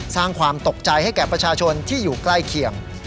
สร้างความตกใจให้แก่ประชาชนที่อยู่ใกล้เคียง